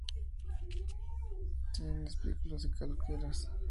Tienen espículas calcáreas.